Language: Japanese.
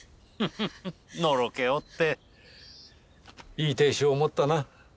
いい亭主を持ったな。